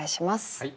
はい。